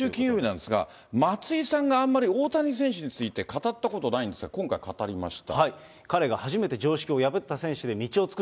先週金曜日なんですが、松井さんがあんまり大谷さんについて語ったことないんですが、今回、初めて語りました。